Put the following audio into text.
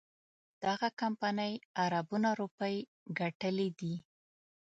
دغه کمپنۍ اربونه روپۍ ګټلي دي.